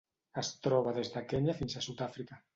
Es troba des de Kenya fins a Sud-àfrica.